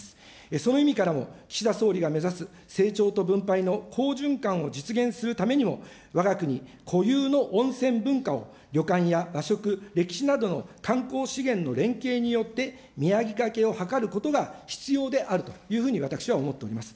その意味からも、岸田総理が目指す成長と分配の好循環を実現するためにも、わが国固有の温泉文化を旅館や和食、歴史などの観光資源の連携によって、磨きかけを図ることが必要であるというふうに私は思っております。